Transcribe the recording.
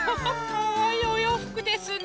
かわいいおようふくですね。